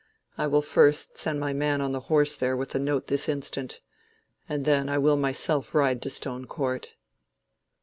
I will first send my man on the horse there with a note this instant, and then I will myself ride to Stone Court."